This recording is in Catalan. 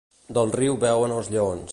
Del riu beuen els lleons.